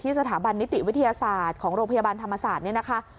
สถาบันนิติวิทยาศาสตร์ของโรงพยาบาลธรรมศาสตร์เนี่ยนะคะ